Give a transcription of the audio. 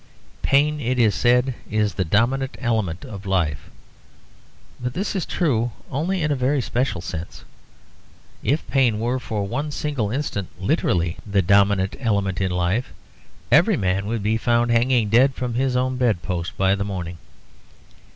Pain, it is said, is the dominant element of life; but this is true only in a very special sense. If pain were for one single instant literally the dominant element in life, every man would be found hanging dead from his own bed post by the morning.